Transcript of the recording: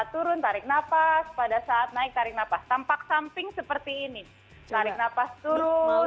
turun tarik nafas pada saat naik tarik nafas tampak samping seperti ini tarik nafas turun